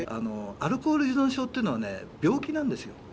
アルコール依存症っていうのはね病気なんですよ。